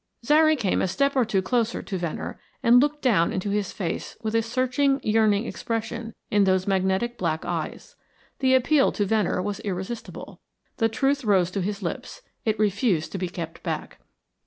Zary came a step or two closer to Venner and looked down into his face with a searching yearning expression in those magnetic black eyes. The appeal to Venner was irresistible. The truth rose to his lips; it refused to be kept back.